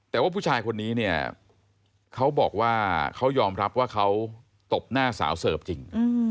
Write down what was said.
แต่ว่าผู้ชายคนนี้เนี่ยเขาบอกว่าเขายอมรับว่าเขาตบหน้าสาวเสิร์ฟจริง